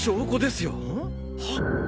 はっ！